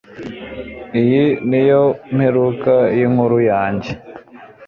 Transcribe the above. Iyi niyo mperuka yinkuru yanjye